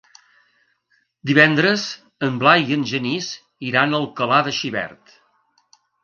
Divendres en Blai i en Genís iran a Alcalà de Xivert.